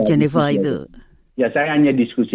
geneva itu ya saya hanya diskusi